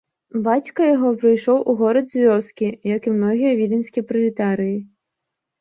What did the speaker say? Бацька яго прыйшоў у горад з вёскі, як і многія віленскія пралетарыі.